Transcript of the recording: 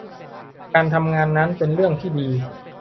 การทำงานนั้นเป็นเรื่องที่ดี